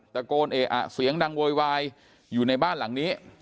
ตะโกนเออะเสียงดังโวยวายอยู่ในบ้านหลังนี้